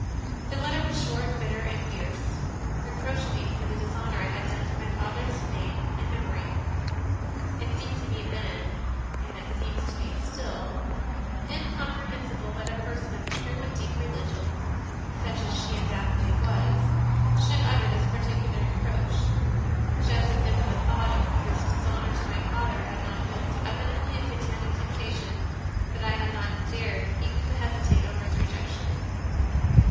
The letter was short, bitter, and fierce, reproaching me for the dishonour I had done to my father s name and memory. It seemed to me then and it seems to me still incomprehensible that a person of true and deep religion, such as she undoubtedly was, should utter this particular reproach; just as if the thought of this dishonour to my father had not been so evidently a Satanic temptation that I had not dared even to hesitate over its rejection.